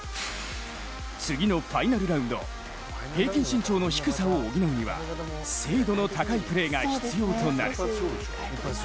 次のファイナルラウンド、平均身長の低さを補うには精度の高いプレーが必要となる。